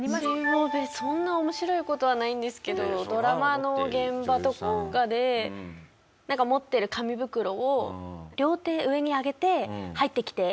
私そんな面白い事はないんですけどドラマの現場とかでなんか持ってる紙袋を両手上に上げて入ってきて。